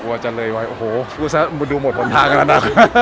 กลัวจะเลยว่าโอ้โหรู้สึกว่าดูหมดผลทางแล้วนะ